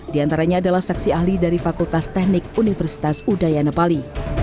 di antaranya adalah saksi ahli dari fakultas teknik universitas udayana pali